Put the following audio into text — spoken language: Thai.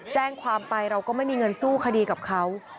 แจ้งความไปเราก็ไม่มีเงินสู้คดีกับเขา